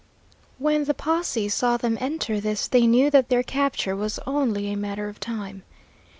When the posse saw them enter this they knew that their capture was only a matter of time.